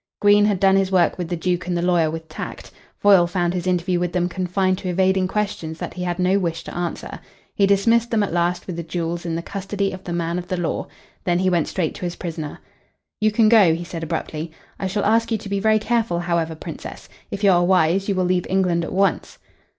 Green had done his work with the Duke and the lawyer with tact. Foyle found his interview with them confined to evading questions that he had no wish to answer. He dismissed them at last with the jewels in the custody of the man of the law. Then he went straight to his prisoner. "You can go," he said abruptly. "I shall ask you to be very careful, however, Princess. If you are wise you will leave England at once."